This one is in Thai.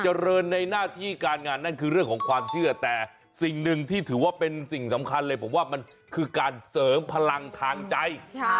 เจริญในหน้าที่การงานนั่นคือเรื่องของความเชื่อแต่สิ่งหนึ่งที่ถือว่าเป็นสิ่งสำคัญเลยผมว่ามันคือการเสริมพลังทางใจ